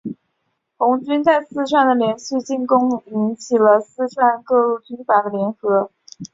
红军在四川的连续进攻引起了四川各路军阀的联合。